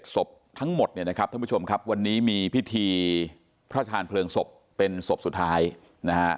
ศพทั้งหมดเนี่ยนะครับท่านผู้ชมครับวันนี้มีพิธีพระชาญเพลิงศพเป็นศพสุดท้ายนะฮะ